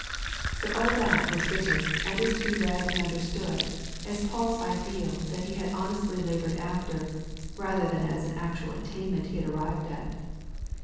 But all that was written and is to be read and understood as Paul's ideal that he had honestly laboured after, rather than as an actual attainment he had arrived at.